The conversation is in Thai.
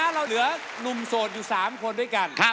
เอาล่ะนะเราเหลือนุ่มโสดอยู่สามคนด้วยกัน